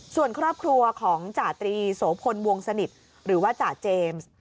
ส่วนครอบครัวของจาตรีโสพลวงสนิทหรือว่าจ่าเจมส์